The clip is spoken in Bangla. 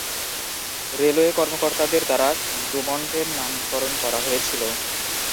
রেলওয়ে কর্মকর্তাদের দ্বারা ডুমন্টের নামকরণ করা হয়েছিল।